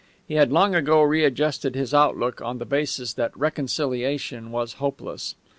He had long ago readjusted his outlook on the basis that reconciliation was hopeless.